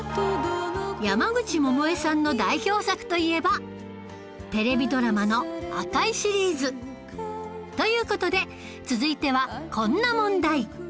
山口百恵さんの代表作といえばテレビドラマの『赤い』シリーズという事で続いてはこんな問題